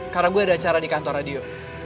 karena gue ada acara di kantor radio